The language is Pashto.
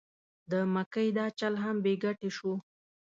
د مکۍ دا چل هم بې ګټې شو.